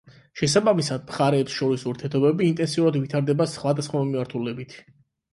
შესაბამისად, მხარეებს შორის ურთიერთობები ინტენსიურად ვითარდება სხვადასხვა მიმართულებით.